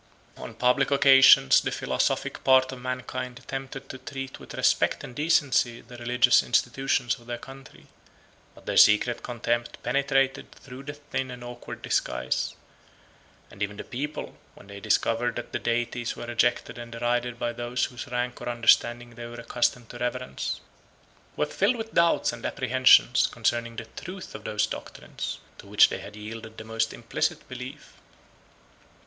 On public occasions the philosophic part of mankind affected to treat with respect and decency the religious institutions of their country; but their secret contempt penetrated through the thin and awkward disguise; and even the people, when they discovered that their deities were rejected and derided by those whose rank or understanding they were accustomed to reverence, were filled with doubts and apprehensions concerning the truth of those doctrines, to which they had yielded the most implicit belief.